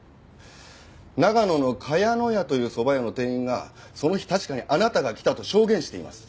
長野の茅の屋というそば屋の店員がその日確かにあなたが来たと証言しています。